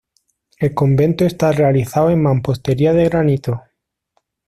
El convento está realizado en mampostería de granito.